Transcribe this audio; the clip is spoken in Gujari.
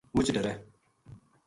مُچ ڈرے